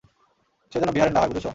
সে যেন বিহারের না হয়, বুঝেছ?